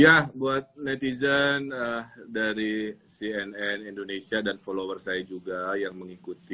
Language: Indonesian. ya buat netizen dari cnn indonesia dan follower saya juga yang mengikuti